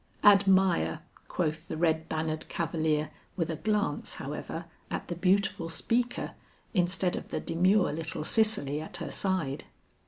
"Admire," quoth the red bannered cavalier with a glance, however, at the beautiful speaker instead of the demure little Cicely at her side.